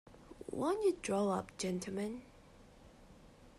Won't you draw up, gentlemen.